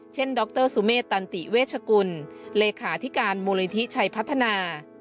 ดรสุเมษตันติเวชกุลเลขาธิการมูลนิธิชัยพัฒนา